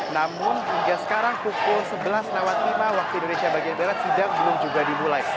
namun hingga sekarang pukul sebelas lima waktu indonesia bagian barat sidang belum juga dimulai